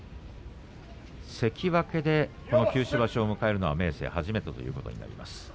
関脇で九州場所を迎えるのは明生、初めてということになります。